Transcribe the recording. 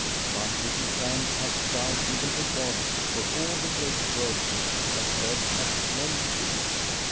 But little thank hast thou given to God for all the great virtues that God hath lent thee.